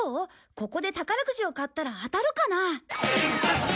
ここで宝くじを買ったら当たるかな？